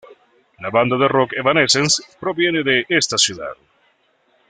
La banda de Rock Evanescence proviene de esta ciudad.